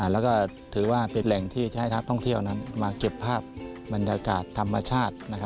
แล้วก็ถือว่าเป็นแหล่งที่จะให้นักท่องเที่ยวนั้นมาเก็บภาพบรรยากาศธรรมชาติ